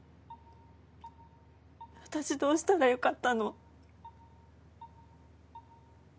私どうしたらよかったの？